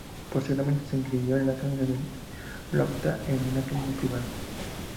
Posteriormente se inscribió en la Escuela de la Llotja y en una academia privada.